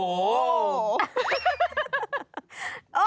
โอ้โห